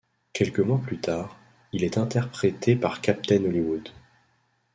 Quelques mois plus tard, il est interprété par Captain Hollywood.